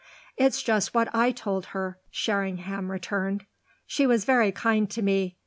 "That's just what I told her," Sherringham returned. "She was very kind to me.